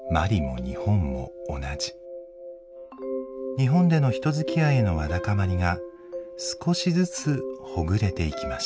日本での人づきあいへのわだかまりが少しずつほぐれていきました。